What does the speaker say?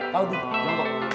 kau jawab eh kau duduk